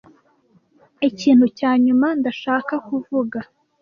Ikintu cya nyuma ndashaka kuvuga: